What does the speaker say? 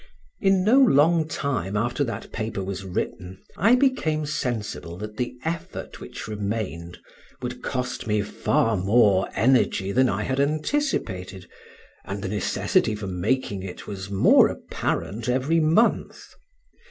In no long time after that paper was written I became sensible that the effort which remained would cost me far more energy than I had anticipated, and the necessity for making it was more apparent every month.